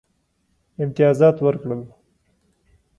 امتیازات ورکړل.